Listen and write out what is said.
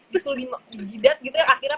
bisul di jidat gitu yang akhirnya